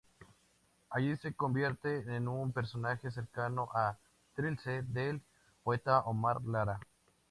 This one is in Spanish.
Allí se convierte en un personaje cercano a Trilce del poeta Omar Lara.